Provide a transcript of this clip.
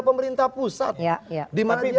pemerintah pusat dimana